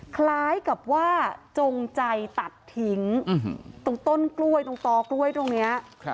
คล้ายกับว่าจงใจตัดทิ้งตรงต้นกล้วยตรงต่อกล้วยตรงนี้